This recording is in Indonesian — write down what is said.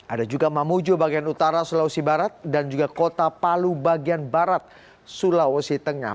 ada juga mamuju bagian utara sulawesi barat dan juga kota palu bagian barat sulawesi tengah